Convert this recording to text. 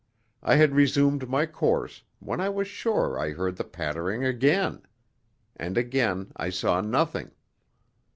I had resumed my course when I was sure I heard the pattering again. And again I saw nothing.